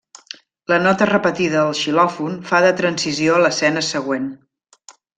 La nota repetida del xilòfon fa de transició a l'escena següent.